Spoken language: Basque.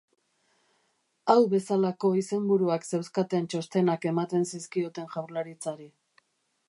Hau bezalako izenburuak zeuzkaten txostenak ematen zizkioten Jaurlaritzari.